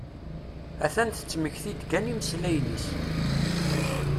A-t-an tettmekti-d kan imeslayen-is.